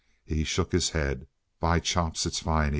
He shook his head. "By chops, it's fine!"